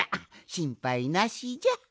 しんぱいなしじゃ！